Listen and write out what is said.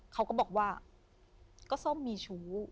เขาก็บอกว่าก็ส้มมีชู้